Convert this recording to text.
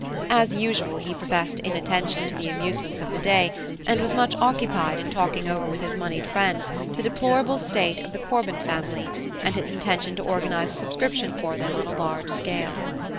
As usual, he professed inattention to the amusements of the day, and was much occupied in talking over with his moneyed friends the deplorable state of the Corban family, and his intention to organise a subscription for them on a large scale.